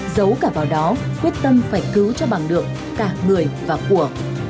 giấu cả vào đó quyết tâm phải cứu cho bằng được cả người và của